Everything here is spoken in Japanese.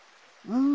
うん。